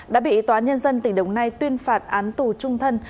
đã bị tòa nhân dân tỉnh đồng nai tuyên phạt án tù trung thân